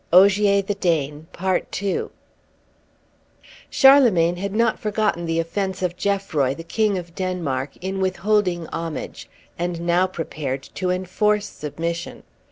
OGIER, THE DANE (Continued) CHARLEMAGNE had not forgotten the offence of Geoffroy, the King of Denmark, in withholding homage, and now prepared to enforce submission.